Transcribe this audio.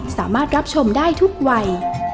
สามารถรับชมได้ทุกวัย